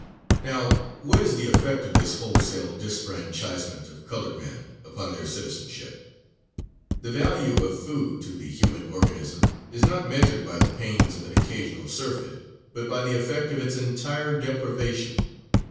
Now, what is the effect of this wholesale disfranchisement of colored men, upon their citizenship. The value of food to the human organism is not measured by the pains of an occasional surfeit, but by the effect of its entire deprivation.